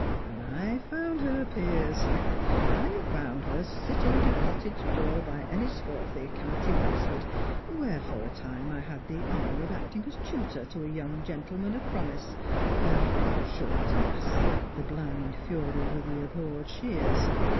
And I found her, Piers; I found her sitting at a cottage door by Enniscorthy, County Wexford, where for a time I had the honour of acting as tutor to a young gentleman of promise, cut short, alas! 'the blind Fury with the abhorred shears!'